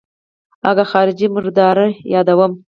اگه خارجۍ مرداره يادوم.